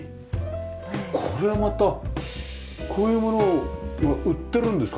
これはまたこういうものが売ってるんですか？